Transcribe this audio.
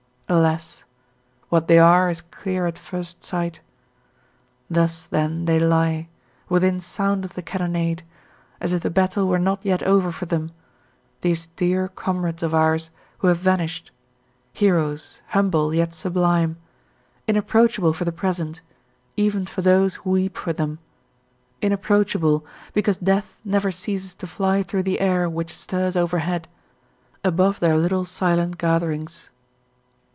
Alas! what they are is clear at first sight. Thus, then, they lie, within sound of the cannonade, as if the battle were not yet over for them, these dear comrades of ours who have vanished, heroes humble yet sublime inapproachable for the present, even for those who weep for them, inapproachable, because death never ceases to fly through the air which stirs overhead, above their little silent gatherings.